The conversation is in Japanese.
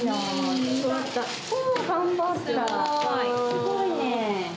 すごいね。